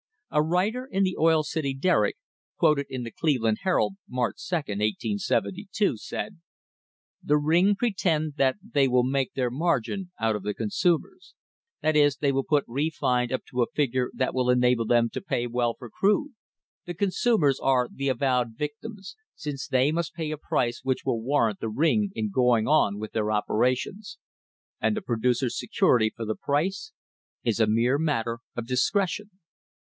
A writer in the Oil City Derrick, quoted in the Cleveland Herald, March 2, 1872, said: "The ring pretend that they will make their margin out of the consumers. That is, that they will put refined up to a figure that will enable them to pay well for crude. .... The consumers are the avowed victims, since they must pay a price which will warrant the ring in going on with their operations. And the producers' security for the price is a mere matter of discretion."